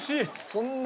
そんな。